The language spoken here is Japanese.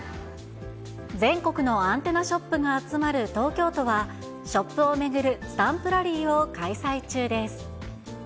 全国のアンテナショップが集まる東京都は、ショップを巡るスタンプラリーを開催中です。